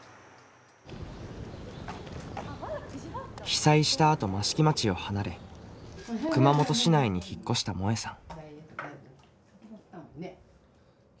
被災したあと益城町を離れ熊本市内に引っ越したもえさん。